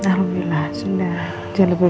alhamdulillah sudah lebih baik